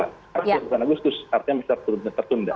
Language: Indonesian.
artinya bisa tertunda